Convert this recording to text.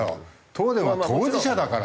東電は当事者だから。